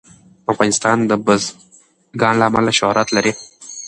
افغانستان د بزګان له امله شهرت لري.